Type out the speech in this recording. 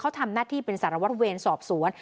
เขาทำหน้าที่เป็นสารวัตรเวรสอบสวน